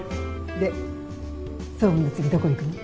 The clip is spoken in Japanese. で総務の次どこ行くの？